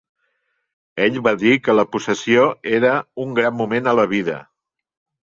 Ell va dir que la possessió era un gran moment a la vida.